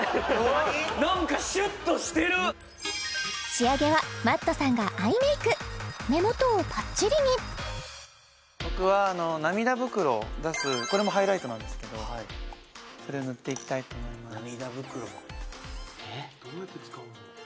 何かシュッとしてる仕上げはＭａｔｔさんがアイメイク目元をパッチリに僕は涙袋出すこれもハイライトなんですけどそれを塗っていきたいと思います